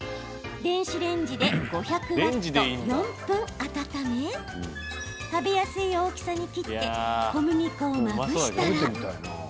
電子レンジで５００ワット４分温め食べやすい大きさに切って小麦粉をまぶしたら。